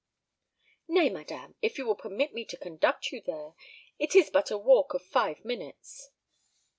"Nay, madame, if you will permit me to conduct you there. It is but a walk of five minutes."